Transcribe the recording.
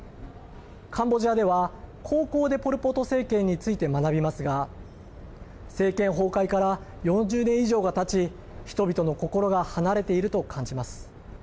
カンボジアでは高校でポル・ポト政権について学びますが政権崩壊から４０年以上がたち人々の心が離れていると感じます。